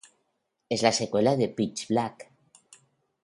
Es la secuela de "Pitch Black".